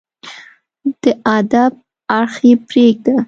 د ادب اړخ يې پرېږده